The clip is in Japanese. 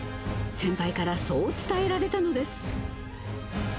先輩からそう伝えられたのです。